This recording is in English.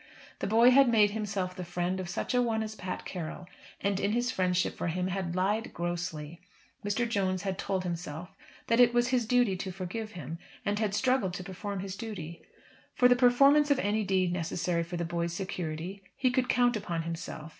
The boy had made himself the friend of such a one as Pat Carroll, and in his friendship for him had lied grossly. Mr. Jones had told himself that it was his duty to forgive him, and had struggled to perform his duty. For the performance of any deed necessary for the boy's security, he could count upon himself.